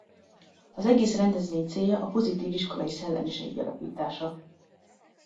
Az egész rendezvény célja a pozitív iskolai szellemiség gyarapítása.